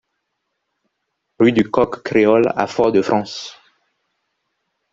Rue du Coq Créole à Fort-de-France